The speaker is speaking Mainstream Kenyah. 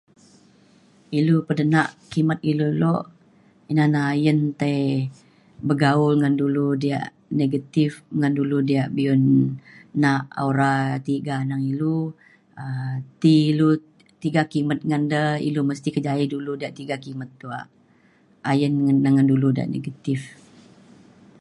ilu pedenak kimet ilu luk, ina ne ayen tai bergaul ngan dulu diak negatif ngan dulu diak be'un nak aura ya' tiga nang ilu um ti ilu tiga kimet ngan de ilu mesti kejaie dulu je tiga kimet tuak. ayen ngan dulu ya' negatif